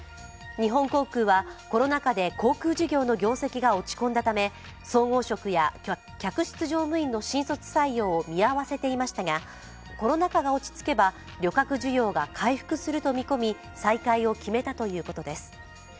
日本航空はコロナ禍で航空事業の業績が落ち込んだため総合職や客室乗務員の新卒採用を見合わせていましたがコロナ禍が落ち着けば、旅客需要が回復すると見込み再開を決めたということです。